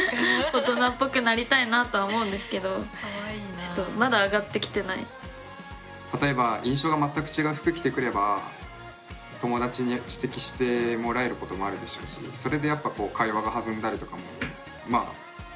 大人っぽくなりたいなとは思うんですけど例えば印象が全く違う服着てくれば友達に指摘してもらえることもあるでしょうしそれでやっぱ会話が弾んだりとかもまああると思うんですよね